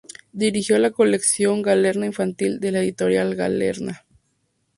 Dirigió la colección Galerna Infantil, de la editorial Galerna.